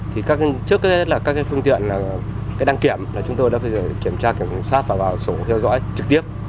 trước hết là các phương tiện đang kiểm chúng tôi đã phải kiểm tra kiểm soát và vào sổ theo dõi trực tiếp